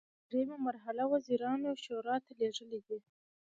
دریمه مرحله د وزیرانو شورا ته لیږل دي.